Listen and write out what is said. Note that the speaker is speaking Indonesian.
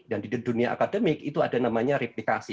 dan di dunia akademik itu ada namanya replikasi